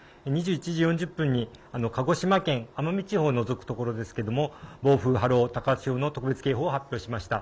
２１時４０分に鹿児島県奄美地方を除くところ、暴風、波浪、高潮の特別警報を発表しました。